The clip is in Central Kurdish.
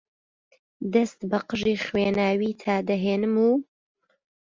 دەست بە قژی خوێناویتا دەهێنم و